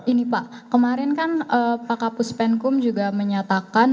ini pak kemarin kan pak kapus penkum juga menyatakan